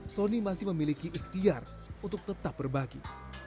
sony masih memiliki ikhtiar untuk tetap berbagi